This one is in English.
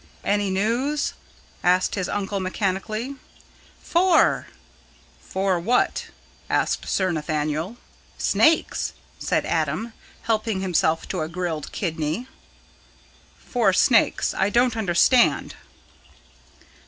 "Any news?" asked his uncle mechanically. "Four." "Four what?" asked Sir Nathaniel. "Snakes," said Adam, helping himself to a grilled kidney. "Four snakes. I don't understand."